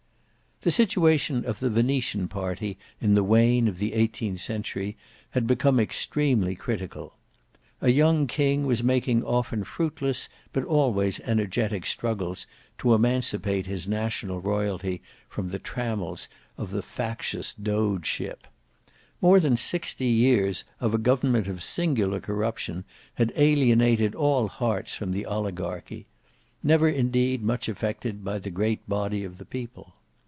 The situation of the Venetian party in the wane of the eighteenth century had become extremely critical. A young king was making often fruitless, but always energetic, struggles to emancipate his national royalty from the trammels of the factious dogeship. More than sixty years of a government of singular corruption had alienated all hearts from the oligarchy; never indeed much affected by the great body of the people.